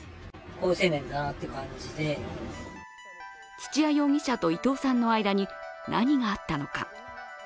土屋容疑者と伊藤さんの間に何があったのか。